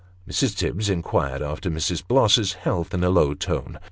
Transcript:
225 Mrs. Tibbs inquired after Mrs. Bloss's health in a low tone.